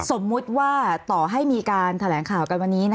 สมมุติว่าต่อให้มีการแถลงข่าวกันวันนี้